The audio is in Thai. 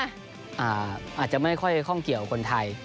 อาอาจจะไม่ก็ค่อยข้องเกี่ยวกับคนไทย